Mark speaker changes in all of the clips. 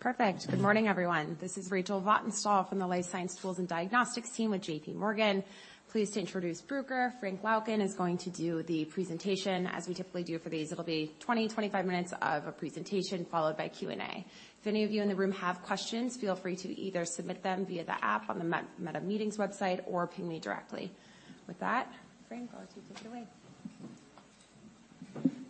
Speaker 1: Perfect! Good morning, everyone. This is Rachel Vatnsdal from the Life Science Tools and Diagnostics team with J.P. Morgan. Pleased to introduce Bruker. Frank Laukien is going to do the presentation. As we typically do for these, it'll be 20-25 minutes of a presentation, followed by Q&A. If any of you in the room have questions, feel free to either submit them via the app on the MetaMeetings website or ping me directly. With that, Frank, I'll let you take it away.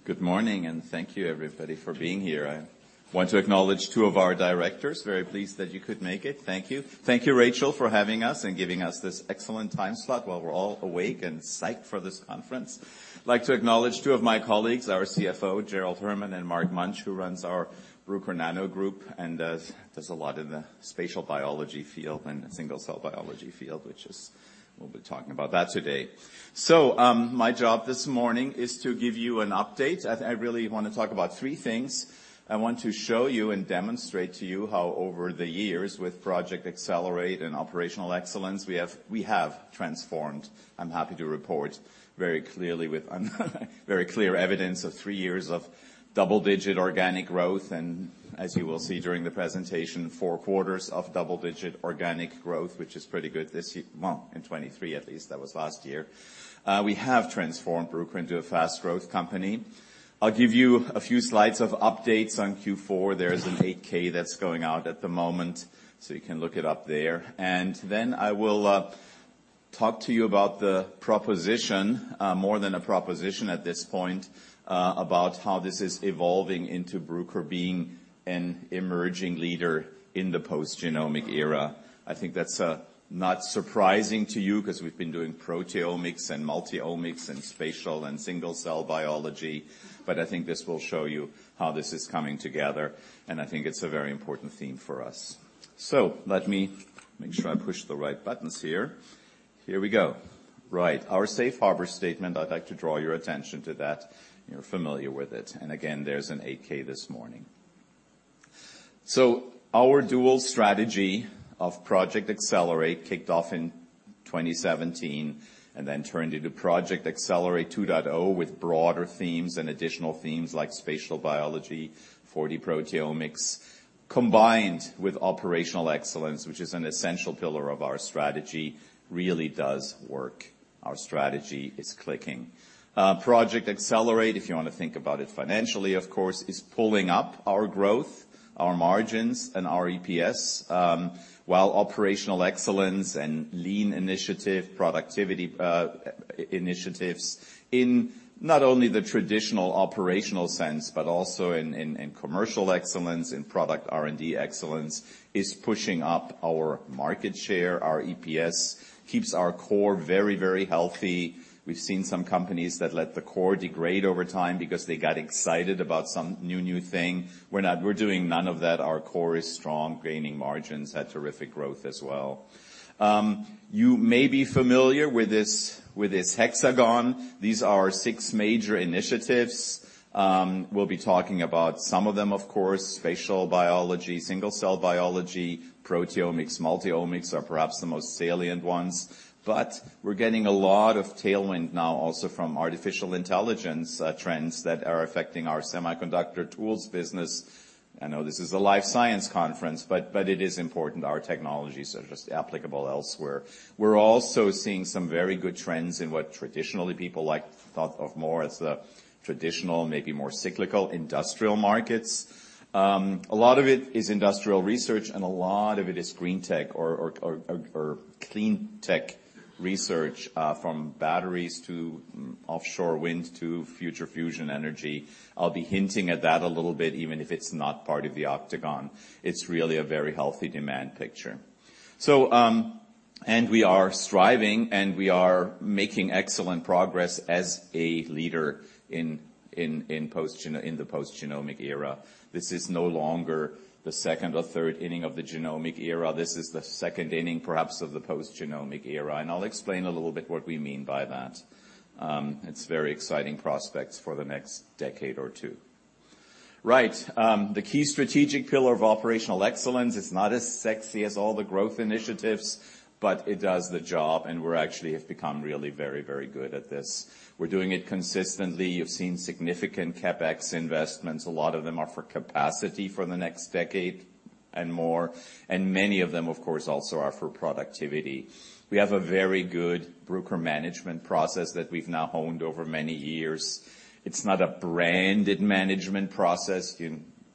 Speaker 2: Good morning, and thank you, everybody, for being here. I want to acknowledge two of our directors. Very pleased that you could make it. Thank you. Thank you, Rachel, for having us and giving us this excellent time slot while we're all awake and psyched for this conference. I'd like to acknowledge two of my colleagues, our CFO, Gerald Herman, and Mark Munch, who runs our Bruker Nano Group and does a lot in the spatial biology field and single-cell biology field, which is... We'll be talking about that today. So, my job this morning is to give you an update. I really want to talk about three things. I want to show you and demonstrate to you how over the years, with Project Accelerate and Operational Excellence, we have transformed. I'm happy to report very clearly with very clear evidence of three years of double-digit organic growth, and as you will see during the presentation, four quarters of double-digit organic growth, which is pretty good this year, well, in 2023, at least, that was last year. We have transformed Bruker into a fast-growth company. I'll give you a few slides of updates on Q4. There's an 8-K that's going out at the moment, so you can look it up there. Then I will talk to you about the proposition, more than a proposition at this point, about how this is evolving into Bruker being an emerging leader in the post-genomic era. I think that's not surprising to you because we've been doing proteomics and multi-omics and spatial and single-cell biology, but I think this will show you how this is coming together, and I think it's a very important theme for us. So let me make sure I push the right buttons here. Here we go. Right. Our safe harbor statement, I'd like to draw your attention to that. You're familiar with it. And again, there's an 8-K this morning. So our dual strategy of Project Accelerate kicked off in 2017 and then turned into Project Accelerate 2.0 with broader themes and additional themes like spatial biology, 4D-Proteomics, combined with operational excellence, which is an essential pillar of our strategy, really does work. Our strategy is clicking. Project Accelerate, if you want to think about it financially, of course, is pulling up our growth, our margins, and our EPS. While operational excellence and lean initiative, productivity, initiatives in not only the traditional operational sense, but also in commercial excellence, in product R&D excellence, is pushing up our market share, our EPS, keeps our core very, very healthy. We've seen some companies that let the core degrade over time because they got excited about some new, new thing. We're not. We're doing none of that. Our core is strong, gaining margins, had terrific growth as well. You may be familiar with this hexagon. These are our six major initiatives. We'll be talking about some of them, of course, spatial biology, single-cell biology, proteomics, multi-omics are perhaps the most salient ones. But we're getting a lot of tailwind now also from artificial intelligence trends that are affecting our semiconductor tools business. I know this is a life science conference, but it is important. Our technologies are just applicable elsewhere. We're also seeing some very good trends in what traditionally people like thought of more as the traditional, maybe more cyclical industrial markets. A lot of it is industrial research, and a lot of it is green tech or clean tech research from batteries to offshore wind to future fusion energy. I'll be hinting at that a little bit, even if it's not part of the octagon. It's really a very healthy demand picture. So, and we are striving, and we are making excellent progress as a leader in the post-genomic era. This is no longer the second or third inning of the genomic era. This is the second inning, perhaps, of the post-genomic era, and I'll explain a little bit what we mean by that. It's very exciting prospects for the next decade or two. Right, the key strategic pillar of operational excellence is not as sexy as all the growth initiatives, but it does the job, and we actually have become really very, very good at this. We're doing it consistently. You've seen significant CapEx investments. A lot of them are for capacity for the next decade and more, and many of them, of course, also are for productivity. We have a very good Bruker management process that we've now honed over many years. It's not a branded management process.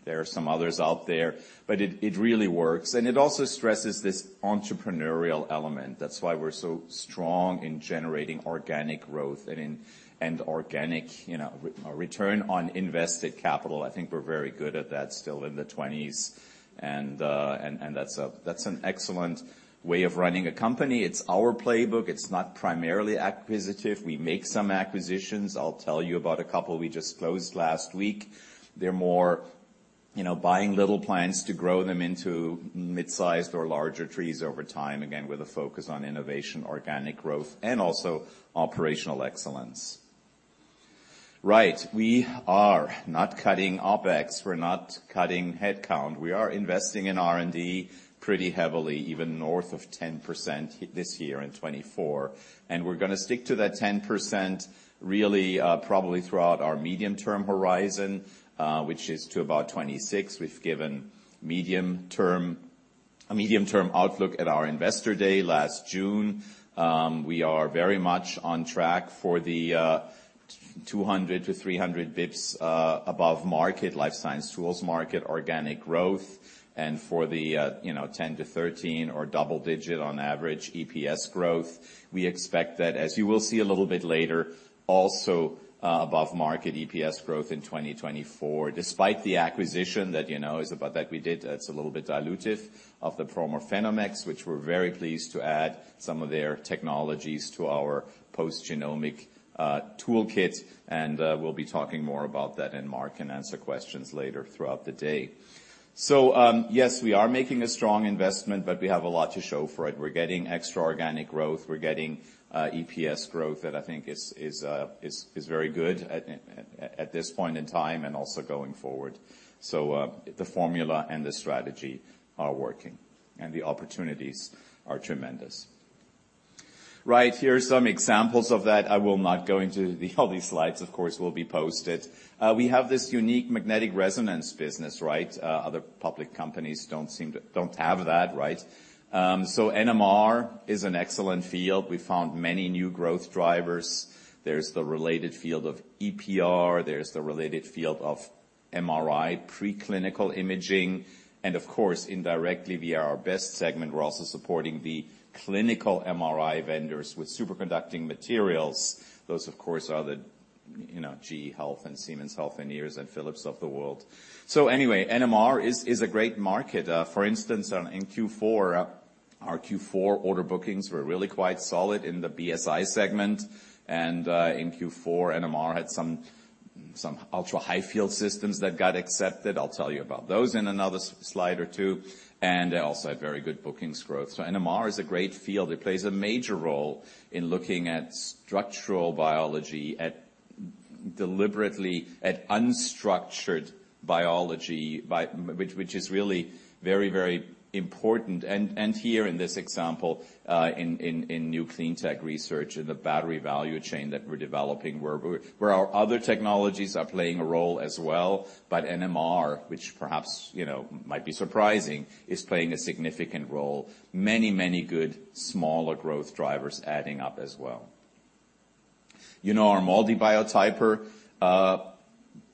Speaker 2: There are some others out there, but it, it really works. It also stresses this entrepreneurial element. That's why we're so strong in generating organic growth and organic, you know, return on invested capital. I think we're very good at that, still in the twenties. And that's a, that's an excellent way of running a company. It's our playbook. It's not primarily acquisitive. We make some acquisitions. I'll tell you about a couple we just closed last week. They're more, you know, buying little plants to grow them into mid-sized or larger trees over time, again, with a focus on innovation, organic growth, and also operational excellence. Right, we are not cutting OpEx. We're not cutting headcount. We are investing in R&D pretty heavily, even north of 10% this year in 2024, and we're gonna stick to that 10% really, probably throughout our medium-term horizon, which is to about 2026. We’ve given a medium-term outlook at our investor day last June. We are very much on track for the 200-300 basis points above market, life science tools market, organic growth, and for the, you know, 10-13 or double-digit on average EPS growth. We expect that, as you will see a little bit later, also above market EPS growth in 2024, despite the acquisition that you know, is about that we did, that’s a little bit dilutive of the PhenomeX, which we’re very pleased to add some of their technologies to our post-genomic toolkit. We’ll be talking more about that, and Mark can answer questions later throughout the day. Yes, we are making a strong investment, but we have a lot to show for it. We’re getting extra organic growth. We're getting EPS growth that I think is very good at this point in time and also going forward. So, the formula and the strategy are working, and the opportunities are tremendous. Right. Here are some examples of that. I will not go into all these slides, of course, will be posted. We have this unique magnetic resonance business, right? Other public companies don't seem to have that, right? So, NMR is an excellent field. We found many new growth drivers. There's the related field of EPR, there's the related field of MRI, preclinical imaging, and of course, indirectly, via our BEST segment, we're also supporting the clinical MRI vendors with superconducting materials. Those, of course, are the, you know, GE HealthCare and Siemens Healthineers and Philips of the world. So anyway, NMR is a great market. For instance, in Q4, our Q4 order bookings were really quite solid in the BSI segment, and in Q4, NMR had some ultra-high field systems that got accepted. I'll tell you about those in another slide or two, and also had very good bookings growth. So NMR is a great field. It plays a major role in looking at structural biology, at deliberately at unstructured biology, by which is really very, very important. And here in this example, in new clean tech research, in the battery value chain that we're developing, where our other technologies are playing a role as well. But NMR, which perhaps, you know, might be surprising, is playing a significant role. Many good smaller growth drivers adding up as well. You know, our MALDI Biotyper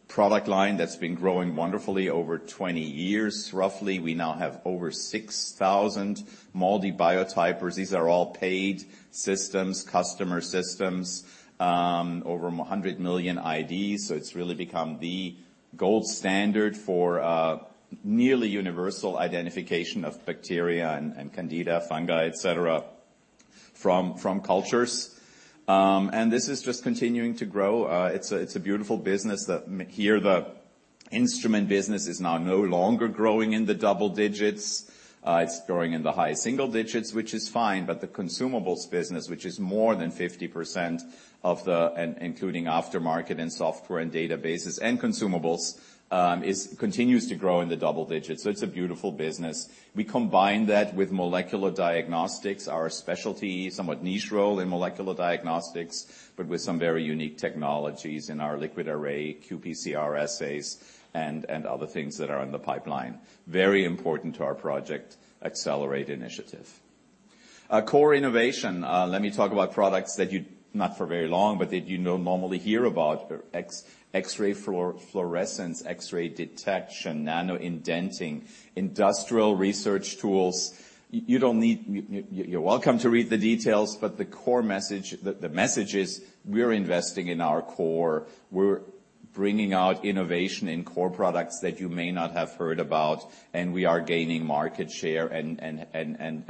Speaker 2: product line, that's been growing wonderfully over 20 years, roughly. We now have over 6,000 MALDI Biotypers. These are all paid systems, customer systems, over 100 million IDs. So it's really become the gold standard for nearly universal identification of bacteria and Candida, fungi, et cetera, from cultures. And this is just continuing to grow. It's a beautiful business. The instrument business is now no longer growing in the double digits. It's growing in the high single digits, which is fine, but the consumables business, which is more than 50% of the... and including aftermarket, and software, and databases, and consumables, is continues to grow in the double digits. So it's a beautiful business. We combine that with molecular diagnostics, our specialty, somewhat niche role in molecular diagnostics, but with some very unique technologies in our LiquidArray, qPCR assays and other things that are in the pipeline. Very important to our Project Accelerate initiative. Our core innovation, let me talk about products that you—not for very long, but that you don't normally hear about. X-ray fluorescence, X-ray detection, nanoindenting, industrial research tools. You don't need. You're welcome to read the details, but the core message, the message is: we're investing in our core. We're bringing out innovation in core products that you may not have heard about, and we are gaining market share and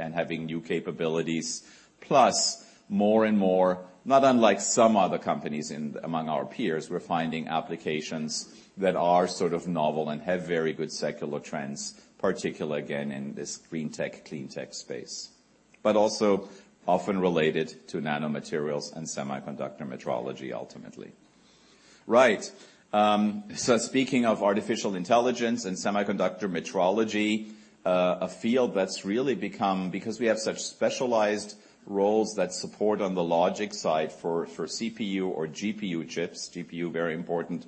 Speaker 2: having new capabilities. Plus, more and more, not unlike some other companies in among our peers, we're finding applications that are sort of novel and have very good secular trends, particularly again, in this green tech, clean tech space, but also often related to nanomaterials and semiconductor metrology, ultimately. Right, so speaking of artificial intelligence and semiconductor metrology, a field that's really become... because we have such specialized roles that support on the logic side for CPU or GPU chips. GPU, very important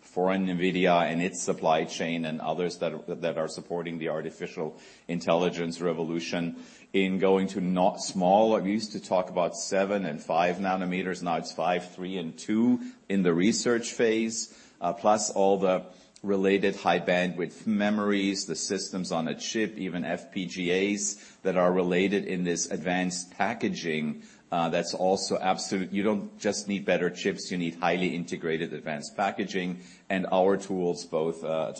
Speaker 2: for NVIDIA and its supply chain and others that are supporting the artificial intelligence revolution in going to not small. We used to talk about 7 and 5 nanometers, now it's 5, 3 and 2 in the research phase, plus all the related high bandwidth memories, the systems on a chip, even FPGAs that are related in this advanced packaging, that's also absolutely. You don't just need better chips; you need highly integrated advanced packaging. And our tools, both automated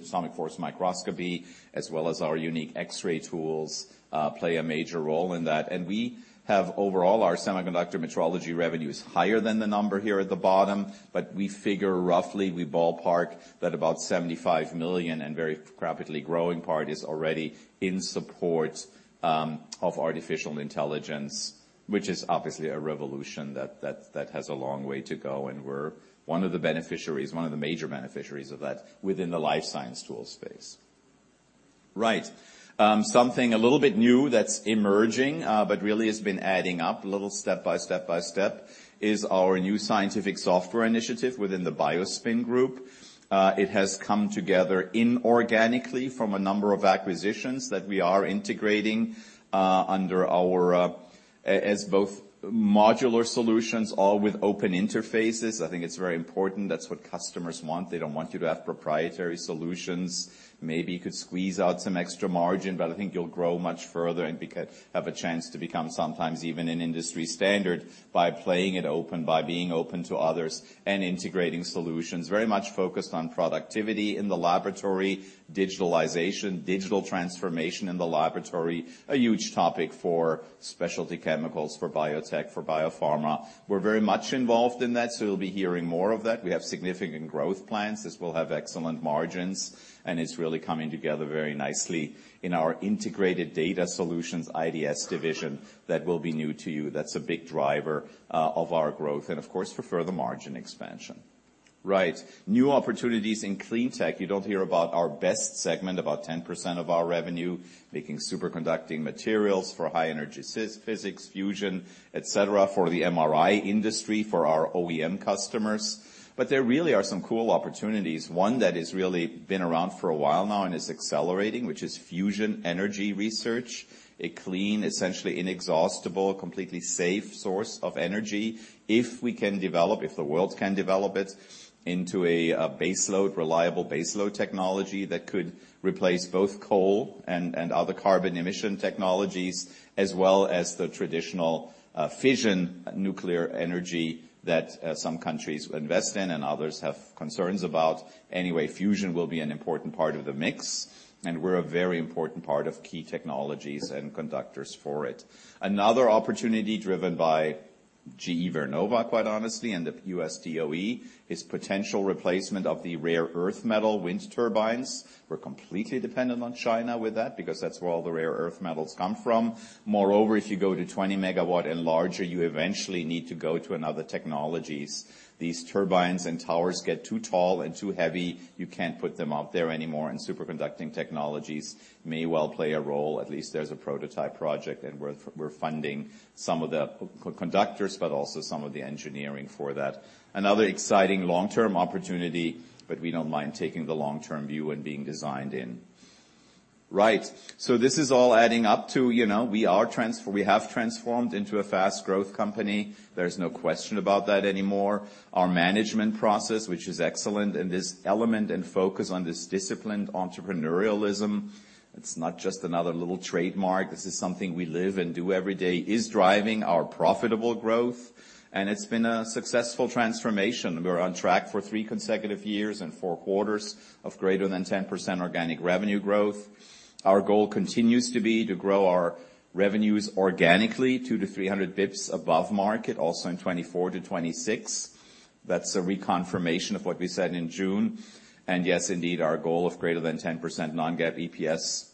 Speaker 2: atomic force microscopy, as well as our unique X-ray tools, play a major role in that. And we have overall, our semiconductor metrology revenue is higher than the number here at the bottom, but we figure roughly, we ballpark that about $75 million and very rapidly growing part is already in support of artificial intelligence, which is obviously a revolution that has a long way to go. We're one of the beneficiaries, one of the major beneficiaries of that within the life science tool space. Right. Something a little bit new that's emerging, but really has been adding up a little step by step by step, is our new scientific software initiative within the BioSpin group. It has come together inorganically from a number of acquisitions that we are integrating, under our, as both modular solutions, all with open interfaces. I think it's very important. That's what customers want. They don't want you to have proprietary solutions. Maybe you could squeeze out some extra margin, but I think you'll grow much further and have a chance to become sometimes even an industry standard by playing it open, by being open to others, and integrating solutions. Very much focused on productivity in the laboratory, digitalization, digital transformation in the laboratory, a huge topic for specialty chemicals, for biotech, for biopharma. We're very much involved in that, so you'll be hearing more of that. We have significant growth plans. This will have excellent margins, and it's really coming together very nicely in our Integrated Data Solutions, IDS, division that will be new to you. That's a big driver of our growth and, of course, for further margin expansion. Right. New opportunities in clean tech. You don't hear about our BEST segment, about 10% of our revenue, making superconducting materials for high energy physics, fusion, et cetera, for the MRI industry, for our OEM customers. But there really are some cool opportunities. One that has really been around for a while now and is accelerating, which is fusion energy research, a clean, essentially inexhaustible, completely safe source of energy. If we can develop, if the world can develop it into a, baseload, reliable baseload technology, that could replace both coal and, and other carbon emission technologies, as well as the traditional, fission nuclear energy that, some countries invest in and others have concerns about. Anyway, fusion will be an important part of the mix, and we're a very important part of key technologies and conductors for it. Another opportunity driven by GE Vernova, quite honestly, and the U.S. DOE, is potential replacement of the rare earth metal wind turbines. We're completely dependent on China with that because that's where all the rare earth metals come from. Moreover, if you go to 20-megawatt and larger, you eventually need to go to another technologies. These turbines and towers get too tall and too heavy, you can't put them out there anymore, and superconducting technologies may well play a role. At least there's a prototype project, and we're funding some of the conductors, but also some of the engineering for that. Another exciting long-term opportunity, but we don't mind taking the long-term view and being designed in. Right. So this is all adding up to, you know, we have transformed into a fast growth company. There's no question about that anymore. Our management process, which is excellent, and this element and focus on this disciplined entrepreneurialism, it's not just another little trademark. This is something we live and do every day, is driving our profitable growth, and it's been a successful transformation. We're on track for three consecutive years and four quarters of greater than 10% organic revenue growth. Our goal continues to be to grow our revenues organically, 200-300 bips above market, also in 2024-2026. That's a reconfirmation of what we said in June. Yes, indeed, our goal of greater than 10% non-GAAP EPS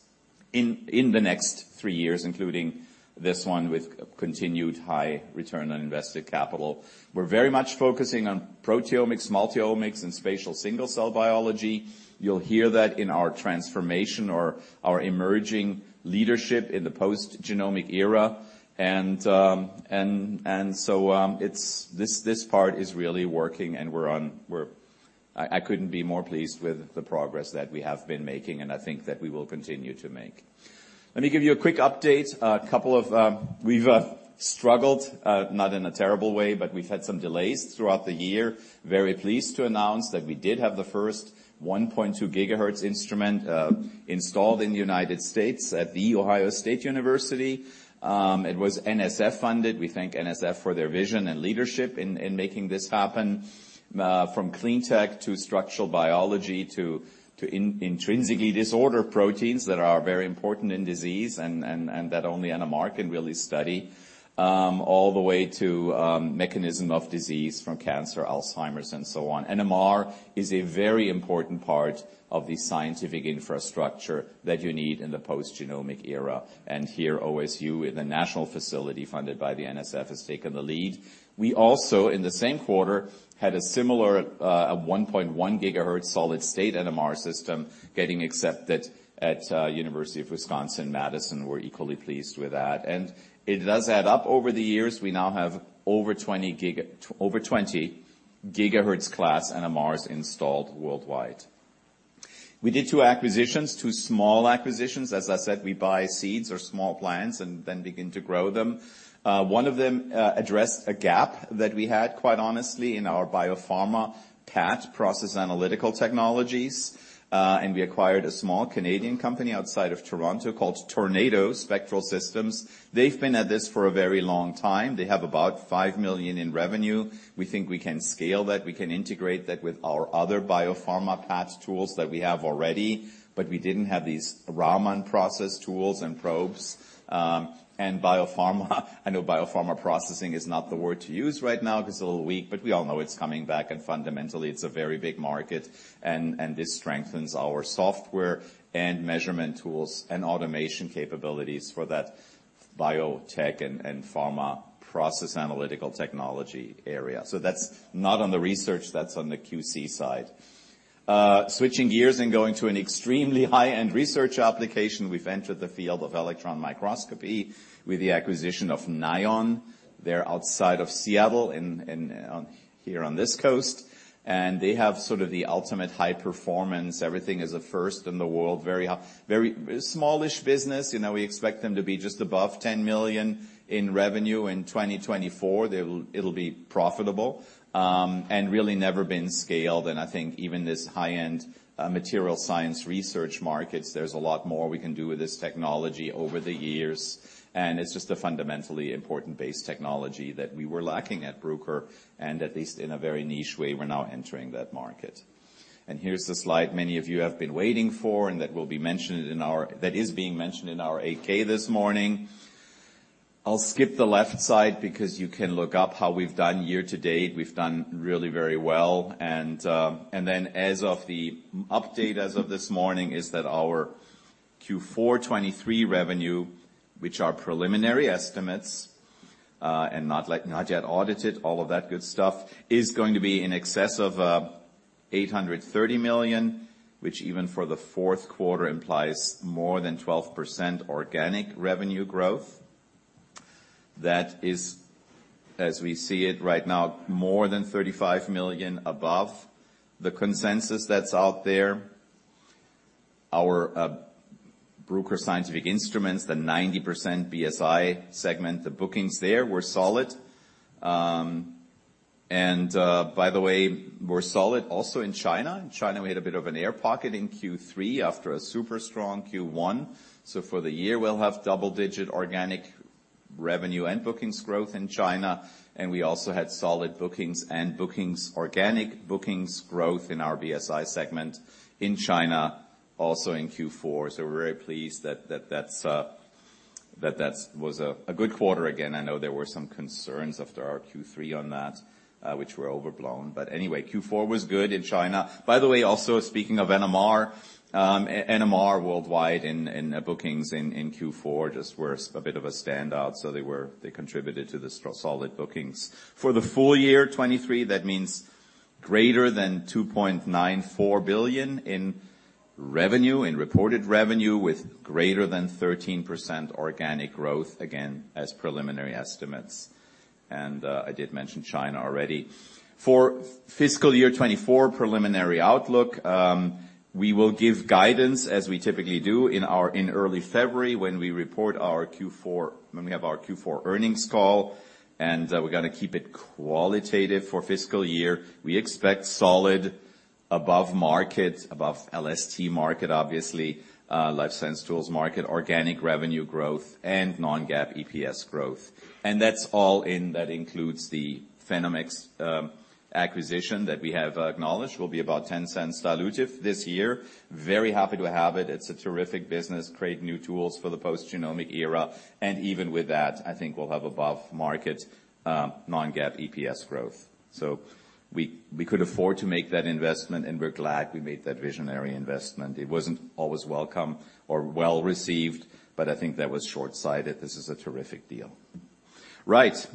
Speaker 2: in the next three years, including this one, with continued high return on invested capital. We're very much focusing on proteomics, multi-omics, and spatial single-cell biology. You'll hear that in our transformation or our emerging leadership in the post-genomic era. And so, it's this part is really working, and I couldn't be more pleased with the progress that we have been making, and I think that we will continue to make. Let me give you a quick update. A couple of, we've struggled, not in a terrible way, but we've had some delays throughout the year. Very pleased to announce that we did have the first 1.2 GHz instrument installed in the United States at The Ohio State University. It was NSF funded. We thank NSF for their vision and leadership in, in making this happen. From clean tech to structural biology to intrinsically disordered proteins that are very important in disease and that only NMR can really study, all the way to mechanism of disease from cancer, Alzheimer's, and so on. NMR is a very important part of the scientific infrastructure that you need in the post-genomic era, and here, OSU, in a national facility funded by the NSF, has taken the lead. We also, in the same quarter, had a similar, a 1.1 gigahertz solid-state NMR system getting accepted at, University of Wisconsin-Madison. We're equally pleased with that, and it does add up over the years. We now have over 20 gigahertz-class NMRs installed worldwide. We did two acquisitions, two small acquisitions. As I said, we buy seeds or small plants and then begin to grow them. One of them addressed a gap that we had, quite honestly, in our biopharma PAT, process analytical technologies, and we acquired a small Canadian company outside of Toronto called Tornado Spectral Systems. They've been at this for a very long time. They have about $5 million in revenue. We think we can scale that, we can integrate that with our other biopharma PAT tools that we have already, but we didn't have these Raman process tools and probes. And biopharma, I know biopharma processing is not the word to use right now because it's a little weak, but we all know it's coming back, and fundamentally, it's a very big market, and this strengthens our software and measurement tools and automation capabilities for that biotech and pharma process analytical technology area. So that's not on the research, that's on the QC side. Switching gears and going to an extremely high-end research application, we've entered the field of electron microscopy with the acquisition of Nion. They're outside of Seattle, in here on this coast, and they have sort of the ultimate high performance. Everything is a first in the world. Very high—very smallish business. You know, we expect them to be just above $10 million in revenue in 2024. They'll—it'll be profitable, and really never been scaled. And I think even this high-end material science research markets, there's a lot more we can do with this technology over the years. And it's just a fundamentally important base technology that we were lacking at Bruker, and at least in a very niche way, we're now entering that market. And here's the slide many of you have been waiting for, and that will be mentioned in our—that is being mentioned in our 8-K this morning. I'll skip the left side because you can look up how we've done year-to-date. We've done really very well. And then, as of the update, as of this morning, is that our Q4 2023 revenue, which are preliminary estimates, and not like, not yet audited, all of that good stuff, is going to be in excess of $830 million, which even for the fourth quarter, implies more than 12% organic revenue growth. That is, as we see it right now, more than $35 million above the consensus that's out there. Our Bruker Scientific Instruments, the 90% BSI segment, the bookings there were solid. And by the way, were solid also in China. In China, we had a bit of an air pocket in Q3 after a super strong Q1. So for the year, we'll have double-digit organic revenue and bookings growth in China, and we also had solid bookings, organic bookings growth in our BSI segment in China, also in Q4. So we're very pleased that that was a good quarter again. I know there were some concerns after our Q3 on that, which were overblown, but anyway, Q4 was good in China. By the way, also speaking of NMR, NMR worldwide in bookings in Q4 just were a bit of a standout, so they were. They contributed to the solid bookings. For the full year 2023, that means greater than $2.94 billion in revenue, in reported revenue, with greater than 13% organic growth, again, as preliminary estimates. And I did mention China already. For fiscal year 2024 preliminary outlook, we will give guidance, as we typically do in early February, when we have our Q4 earnings call, and we're gonna keep it qualitative for fiscal year. We expect solid above-market, above LST market, obviously, Life Science Tools market, organic revenue growth and non-GAAP EPS growth. And that's all in, that includes the PhenomeX acquisition that we have acknowledged, will be about $0.10 dilutive this year. Very happy to have it. It's a terrific business, create new tools for the post-genomic era, and even with that, I think we'll have above-market non-GAAP EPS growth. So we, we could afford to make that investment, and we're glad we made that visionary investment. It wasn't always welcome or well-received, but I think that was shortsighted. This is a terrific deal. Right.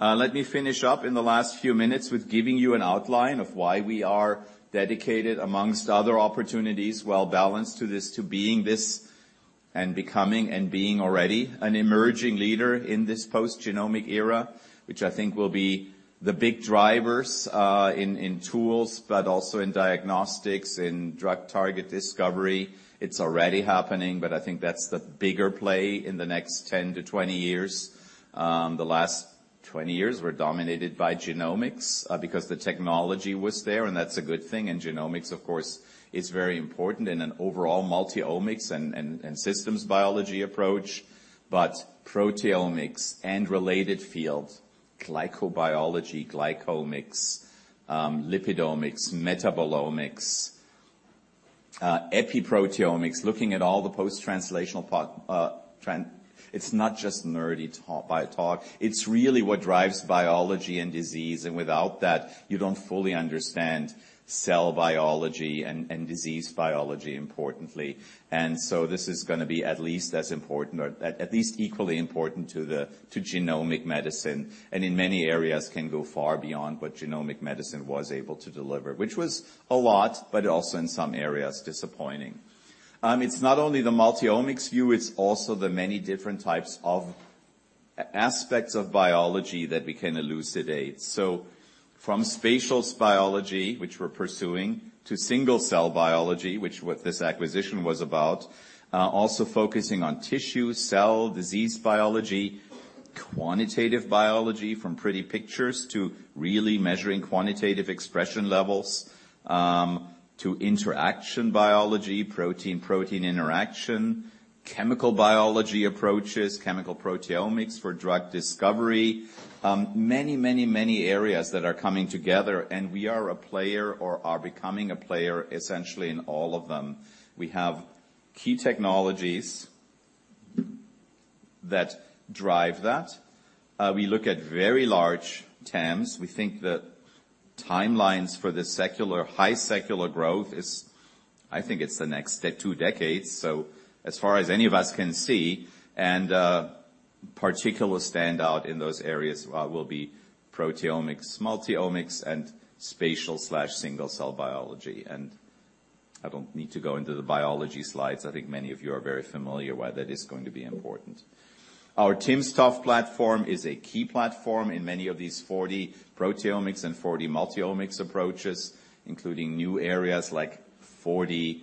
Speaker 2: Let me finish up in the last few minutes with giving you an outline of why we are dedicated, amongst other opportunities, well-balanced to this, to being this and becoming and being already an emerging leader in this post-genomic era, which I think will be the big drivers in tools, but also in diagnostics, in drug target discovery. It's already happening, but I think that's the bigger play in the next 10-20 years. The last 20 years were dominated by genomics, because the technology was there, and that's a good thing. And genomics, of course, is very important in an overall multi-omics and systems biology approach. But proteomics and related fields, glycobiology, glycomics, lipidomics, metabolomics, epiproteomics, looking at all the post-translational part, it's not just nerdy talk by talk. It's really what drives biology and disease, and without that, you don't fully understand cell biology and, and disease biology, importantly. And so this is gonna be at least as important or at, at least equally important to the, to genomic medicine, and in many areas, can go far beyond what genomic medicine was able to deliver, which was a lot, but also in some areas, disappointing. It's not only the multi-omics view, it's also the many different types of aspects of biology that we can elucidate. So from spatial biology, which we're pursuing, to single-cell biology, which what this acquisition was about, also focusing on tissue, cell, disease biology, quantitative biology, from pretty pictures to really measuring quantitative expression levels, to interaction biology, protein-protein interaction, chemical biology approaches, chemical proteomics for drug discovery. Many, many, many areas that are coming together, and we are a player or are becoming a player, essentially in all of them. We have key technologies that drive that. We look at very large TAMs. We think the timelines for this secular, high secular growth is, I think it's the next two decades. So as far as any of us can see, and particular standout in those areas will be proteomics, multi-omics, and spatial/single-cell biology. And I don't need to go into the biology slides. I think many of you are very familiar why that is going to be important. Our timsTOF platform is a key platform in many of these 4D-Proteomics and 4D multi-omics approaches, including new areas like 4D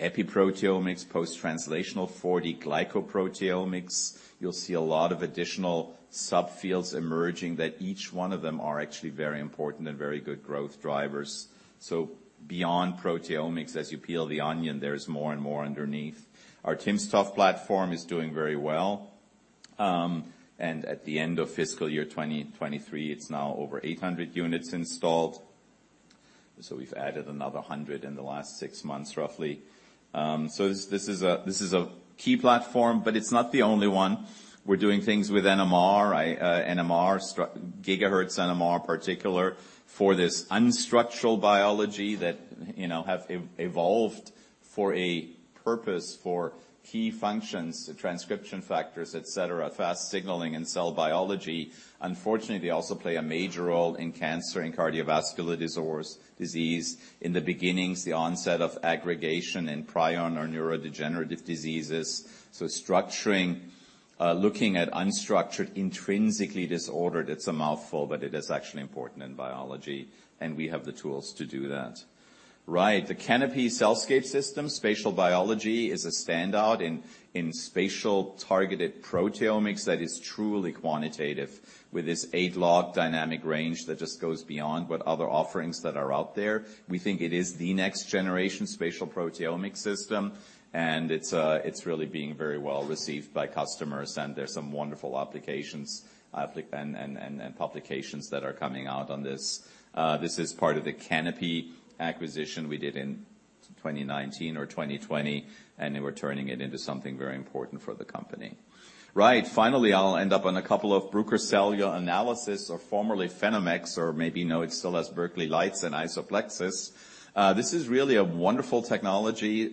Speaker 2: epiproteomics, post-translational, 4D glycoproteomics. You'll see a lot of additional subfields emerging, that each one of them are actually very important and very good growth drivers. So beyond proteomics, as you peel the onion, there's more and more underneath. Our timsTOF platform is doing very well. And at the end of fiscal year 2023, it's now over 800 units installed. So we've added another 100 in the last six months, roughly. So this is a key platform, but it's not the only one. We're doing things with NMR, gigahertz NMR, particularly, for this structural biology that, you know, have evolved for a purpose for key functions, transcription factors, et cetera, fast signaling and cell biology. Unfortunately, they also play a major role in cancer and cardiovascular disorders or disease. In the beginnings, the onset of aggregation in prion or neurodegenerative diseases. So structuring, looking at unstructured, intrinsically disordered, it's a mouthful, but it is actually important in biology, and we have the tools to do that. Right, the Canopy CellScape system, spatial biology, is a standout in spatial targeted proteomics that is truly quantitative, with this 8-log dynamic range that just goes beyond what other offerings that are out there. We think it is the next generation spatial proteomics system, and it's really being very well received by customers, and there's some wonderful applications and publications that are coming out on this. This is part of the Canopy acquisition we did in 2019 or 2020, and we're turning it into something very important for the company. Right. Finally, I'll end up on a couple of Bruker's cellular analysis, or formerly PhenomeX, or maybe no, it still has Berkeley Lights and IsoPlexis. This is really a wonderful technology,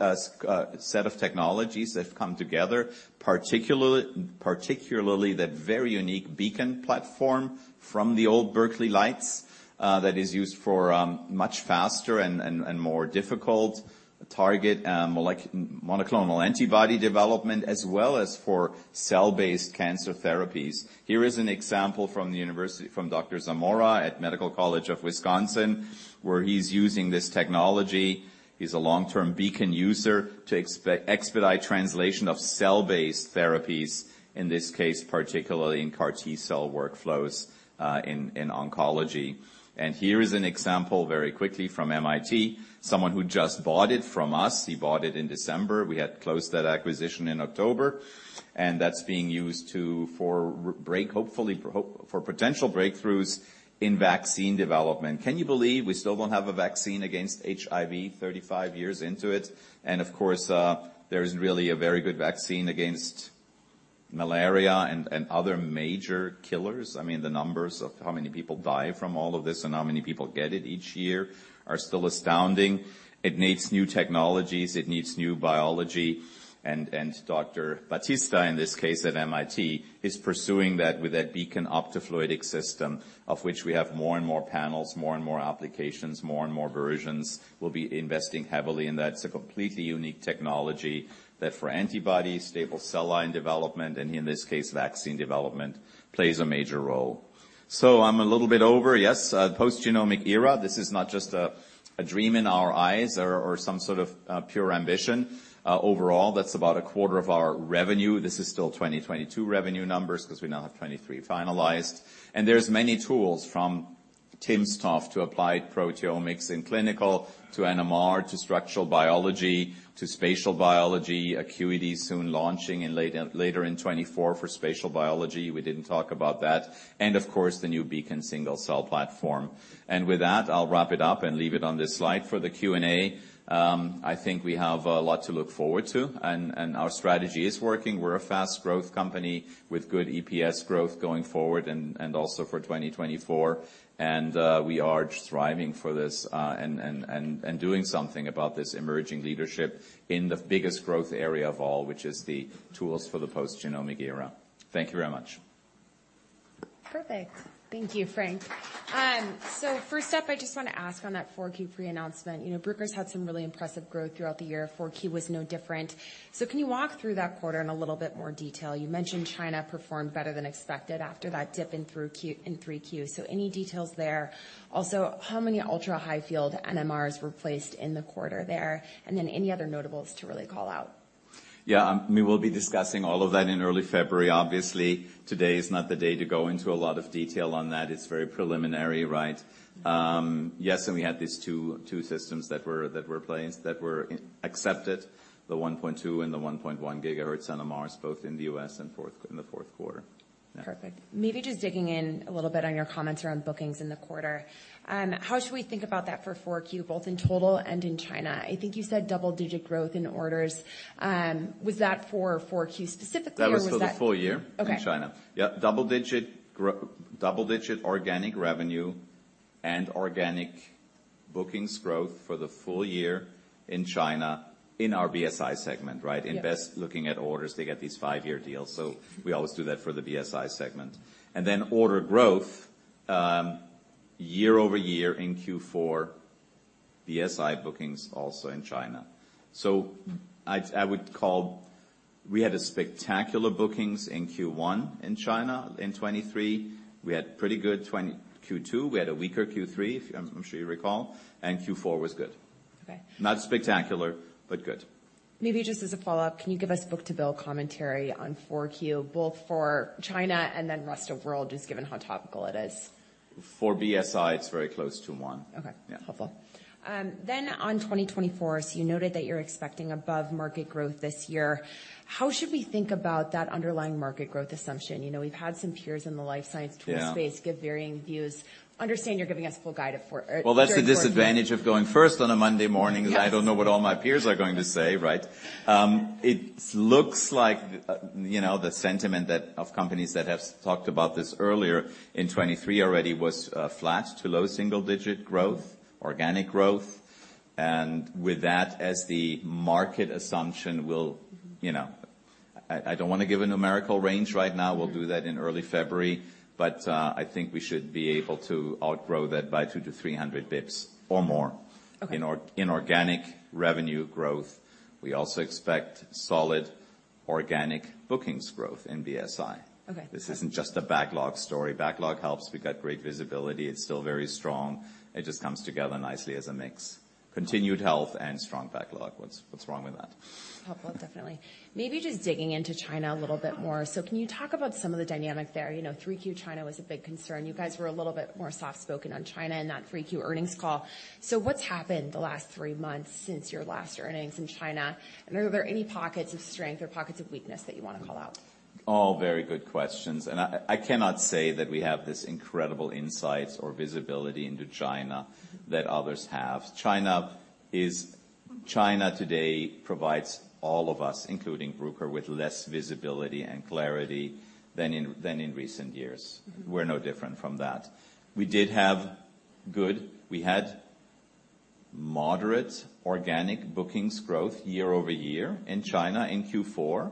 Speaker 2: set of technologies that have come together, particularly that very unique Beacon platform from the old Berkeley Lights, that is used for much faster and more difficult target, monoclonal antibody development, as well as for cell-based cancer therapies. Here is an example from the university, from Dr. Zamora at Medical College of Wisconsin, where he's using this technology. He's a long-term Beacon user, to expedite translation of cell-based therapies, in this case, particularly in CAR T cell workflows, in oncology. And here is an example, very quickly, from MIT, someone who just bought it from us. He bought it in December. We had closed that acquisition in October, and that's being used for potential breakthroughs in vaccine development. Can you believe we still don't have a vaccine against HIV, 35 years into it? And of course, there isn't really a very good vaccine against malaria and other major killers. I mean, the numbers of how many people die from all of this and how many people get it each year are still astounding. It needs new technologies, it needs new biology, and Dr. Batista, in this case at MIT, is pursuing that with that Beacon optofluidic system, of which we have more and more panels, more and more applications, more and more versions. We'll be investing heavily in that. It's a completely unique technology that for antibodies, stable cell line development, and in this case, vaccine development, plays a major role. So I'm a little bit over. Yes, post-genomic era, this is not just a dream in our eyes or some sort of pure ambition. Overall, that's about a quarter of our revenue. This is still 2022 revenue numbers, 'cause we now have 2023 finalized. And there's many tools from timsTOF to applied proteomics in clinical, to NMR, to structural biology, to spatial biology. Acuity is soon launching in late, later in 2024 for spatial biology. We didn't talk about that. And of course, the new Beacon single-cell platform. And with that, I'll wrap it up and leave it on this slide for the Q&A. I think we have a lot to look forward to, and our strategy is working. We're a fast growth company with good EPS growth going forward and also for 2024. We are thriving for this, and doing something about this emerging leadership in the biggest growth area of all, which is the tools for the Post-genomic era. Thank you very much.
Speaker 1: Perfect. Thank you, Frank. So first up, I just want to ask on that 4Q pre-announcement. You know, Bruker’s had some really impressive growth throughout the year, 4Q was no different. So can you walk through that quarter in a little bit more detail? You mentioned China performed better than expected after that dip in through 3Q. So any details there? Also, how many ultra-high field NMRs were placed in the quarter there? And then any other notables to really call out.
Speaker 2: Yeah, we will be discussing all of that in early February. Obviously, today is not the day to go into a lot of detail on that. It's very preliminary, right? Yes, and we had these two systems that were placed, that were accepted, the 1.2 and the 1.1 gigahertz NMRs, both in the U.S. in the fourth quarter.
Speaker 1: Perfect. Maybe just digging in a little bit on your comments around bookings in the quarter. How should we think about that for 4Q, both in total and in China? I think you said double-digit growth in orders. Was that for 4Q specifically, or was that-
Speaker 2: That was for the full year-
Speaker 1: Okay.
Speaker 2: in China. Yeah, double-digit organic revenue and organic bookings growth for the full year in China, in our BSI segment, right?
Speaker 1: Yes.
Speaker 2: In BEST, looking at orders, they get these five-year deals, so we always do that for the BSI segment. Then order growth year over year in Q4, BSI bookings also in China. So I'd—I would call, we had a spectacular bookings in Q1 in China. In 2023, we had pretty good 2023 Q2. We had a weaker Q3, if I'm sure you recall, and Q4 was good.
Speaker 1: Okay.
Speaker 2: Not spectacular, but good.
Speaker 1: Maybe just as a follow-up, can you give us book-to-bill commentary on 4Q, both for China and then rest of world, just given how topical it is?
Speaker 2: For BSI, it's very close to one.
Speaker 1: Okay.
Speaker 2: Yeah.
Speaker 1: Helpful. Then on 2024, so you noted that you're expecting above-market growth this year. How should we think about that underlying market growth assumption? You know, we've had some peers in the life science tool-
Speaker 2: Yeah
Speaker 1: -space give varying views. Understand you're giving us full guide for, very important-
Speaker 2: Well, that's the disadvantage of going first on a Monday morning-
Speaker 1: Yes...
Speaker 2: is I don't know what all my peers are going to say, right? It looks like, you know, the sentiment that, of companies that have talked about this earlier in 2023 already was, flat to low single-digit growth, organic growth. And with that as the market assumption, we'll, you know... I, I don't want to give a numerical range right now.
Speaker 1: Mm-hmm.
Speaker 2: We'll do that in early February. But, I think we should be able to outgrow that by 200-300 basis points or more-
Speaker 1: Okay...
Speaker 2: in organic revenue growth. We also expect solid organic bookings growth in BSI.
Speaker 1: Okay.
Speaker 2: This isn't just a backlog story. Backlog helps. We've got great visibility. It's still very strong. It just comes together nicely as a mix.
Speaker 1: Okay.
Speaker 2: Continued health and strong backlog. What's wrong with that?
Speaker 1: Helpful, definitely. Maybe just digging into China a little bit more. So can you talk about some of the dynamics there? You know, 3Q China was a big concern. You guys were a little bit more soft-spoken on China in that 3Q earnings call. So what's happened the last three months since your last earnings in China? And are there any pockets of strength or pockets of weakness that you want to call out?
Speaker 2: All very good questions, and I cannot say that we have this incredible insights or visibility into China that others have. China is. China today provides all of us, including Bruker, with less visibility and clarity than in recent years.
Speaker 1: Mm-hmm.
Speaker 2: We're no different from that. We had moderate organic bookings growth year over year in China in Q4,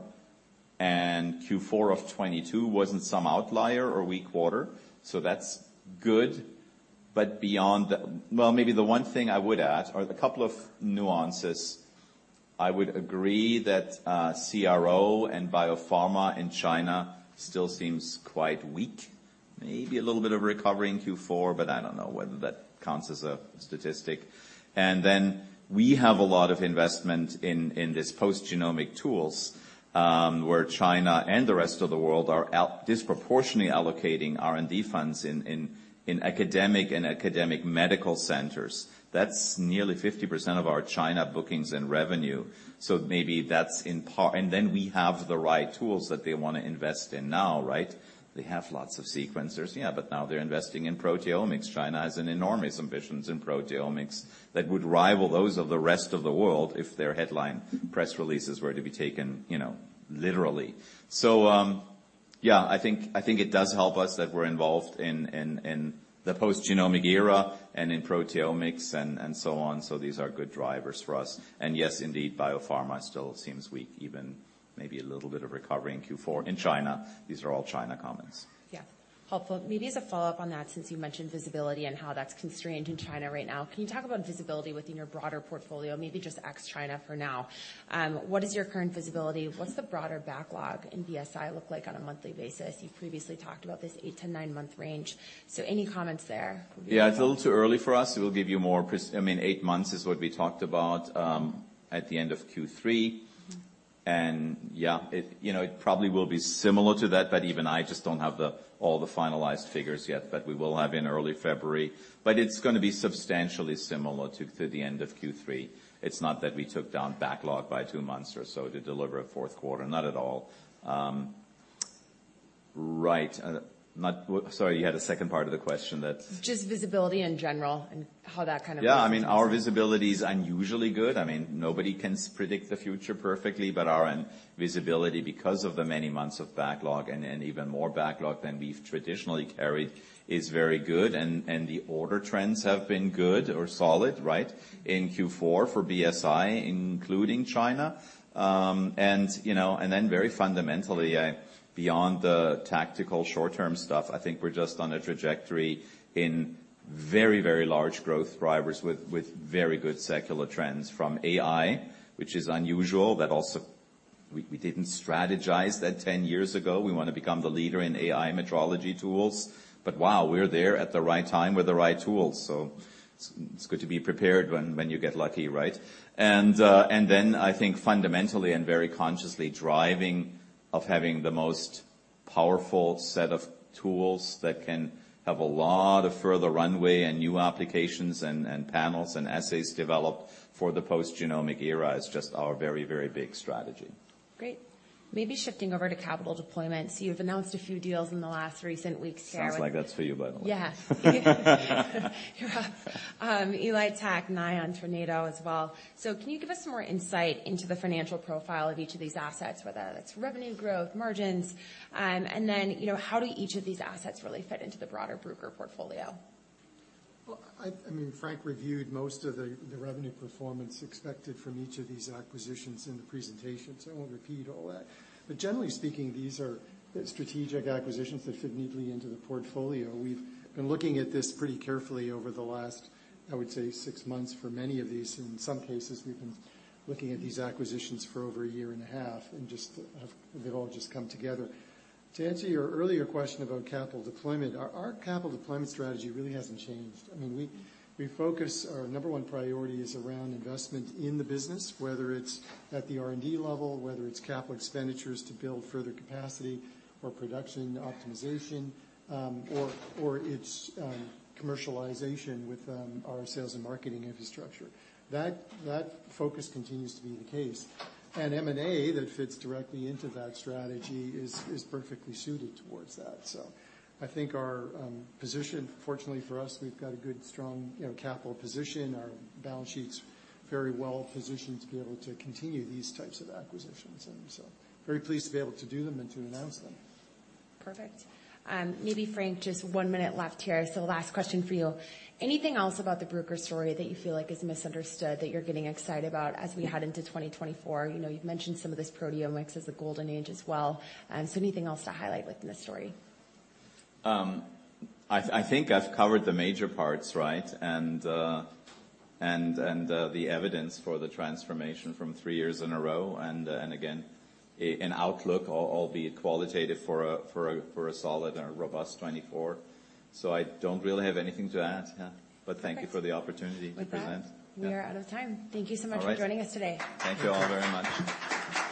Speaker 2: and Q4 of 2022 wasn't some outlier or weak quarter, so that's good. But beyond the. Well, maybe the one thing I would add, or the couple of nuances, I would agree that CRO and biopharma in China still seems quite weak. Maybe a little bit of recovery in Q4, but I don't know whether that counts as a statistic. And then we have a lot of investment in this post-genomic tools, where China and the rest of the world are out disproportionately allocating R&D funds in academic and academic medical centers. That's nearly 50% of our China bookings and revenue. So maybe that's in part. And then we have the right tools that they want to invest in now, right? They have lots of sequencers, yeah, but now they're investing in proteomics. China has an enormous ambition in proteomics that would rival those of the rest of the world if their headline press releases were to be taken, you know, literally. So, yeah, I think, I think it does help us that we're involved in the post-genomic era and in proteomics and so on. So these are good drivers for us. And yes, indeed, biopharma still seems weak, even maybe a little bit of recovery in Q4 in China. These are all China comments.
Speaker 1: Yeah. Helpful. Maybe as a follow-up on that, since you mentioned visibility and how that's constrained in China right now, can you talk about visibility within your broader portfolio? Maybe just ex-China for now. What is your current visibility? What's the broader backlog in BSI look like on a monthly basis? You previously talked about this eight-to nine-month range, so any comments there would be helpful.
Speaker 2: Yeah, it's a little too early for us. We'll give you more, I mean, eight months is what we talked about at the end of Q3.
Speaker 1: Mm-hmm.
Speaker 2: And yeah, it, you know, it probably will be similar to that, but even I just don't have the, all the finalized figures yet, but we will have in early February. But it's going to be substantially similar to through the end of Q3. It's not that we took down backlog by two months or so to deliver a fourth quarter. Not at all. Right. Not... Sorry, you had a second part of the question that-
Speaker 1: Just visibility in general and how that kind of relates to-
Speaker 2: Yeah, I mean, our visibility is unusually good. I mean, nobody can predict the future perfectly, but our visibility, because of the many months of backlog and even more backlog than we've traditionally carried, is very good. And the order trends have been good or solid, right, in Q4 for BSI, including China. And, you know, and then very fundamentally, beyond the tactical short-term stuff, I think we're just on a trajectory in very, very large growth drivers with very good secular trends from AI, which is unusual, but also we didn't strategize that 10 years ago. We want to become the leader in AI metrology tools, but wow, we're there at the right time with the right tools. So it's good to be prepared when you get lucky, right? Then I think fundamentally and very consciously, driving of having the most powerful set of tools that can have a lot of further runway and new applications and panels and assays developed for the post-genomic era is just our very, very big strategy.
Speaker 1: Great. Maybe shifting over to capital deployments. You've announced a few deals in the last recent weeks here-
Speaker 2: Sounds like that's for you, by the way.
Speaker 1: Yes. ELITechGroup, Nion, Tornado as well. So can you give us some more insight into the financial profile of each of these assets, whether that's revenue growth, margins? And then, you know, how do each of these assets really fit into the broader Bruker portfolio?
Speaker 3: Well, I mean, Frank reviewed most of the revenue performance expected from each of these acquisitions in the presentation, so I won't repeat all that. But generally speaking, these are strategic acquisitions that fit neatly into the portfolio. We've been looking at this pretty carefully over the last, I would say, six months for many of these. In some cases, we've been looking at these acquisitions for over a year and a half, and they've all just come together. To answer your earlier question about capital deployment, our capital deployment strategy really hasn't changed. I mean, we focus—our number one priority is around investment in the business, whether it's at the R&D level, whether it's capital expenditures to build further capacity or production optimization, or it's commercialization with our sales and marketing infrastructure. That focus continues to be the case, and M&A that fits directly into that strategy is perfectly suited towards that. So I think our position, fortunately for us, we've got a good, strong, you know, capital position. Our balance sheet's very well positioned to be able to continue these types of acquisitions, and so very pleased to be able to do them and to announce them.
Speaker 1: Perfect. Maybe, Frank, just one minute left here, so last question for you. Anything else about the Bruker story that you feel like is misunderstood, that you're getting excited about as we head into 2024? You know, you've mentioned some of this proteomics as a golden age as well. So anything else to highlight within the story?
Speaker 2: I think I've covered the major parts, right? And the evidence for the transformation from three years in a row, and again, an outlook, albeit qualitative, for a solid and a robust 2024. So I don't really have anything to add, yeah.
Speaker 1: Perfect.
Speaker 2: Thank you for the opportunity to present.
Speaker 1: With that, we are out of time.
Speaker 2: All right.
Speaker 1: Thank you so much for joining us today.
Speaker 2: Thank you all very much.